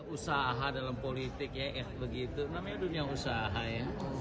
usaha dalam politiknya namanya dunia usaha ya